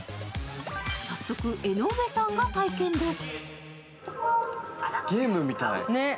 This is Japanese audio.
早速、江上さんが体験です。